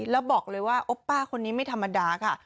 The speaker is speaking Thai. แล้วบอกเลยว่าโอป้าคนนี้ไม่ธรรมดาค่ะ